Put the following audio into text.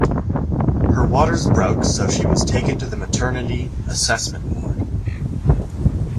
Her waters broke so she was taken to the maternity assessment ward.